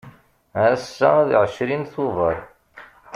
Ass-a d ɛecrin Tubeṛ.